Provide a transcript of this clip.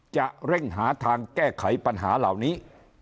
จะเร่งหาทางแก้ไขปัญหาเหล่านี้